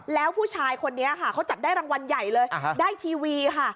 แล้วผู้ชายคนนี้ค่ะเขาจับได้รางวัลใหญ่เลยได้ทีวีค่ะ